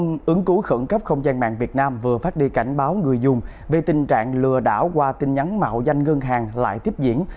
trung ứng cứu khẩn cấp không gian mạng việt nam vừa phát đi cảnh báo người dùng về tình trạng lừa đảo qua tin nhắn mạo danh ngân hàng lại tiếp diễn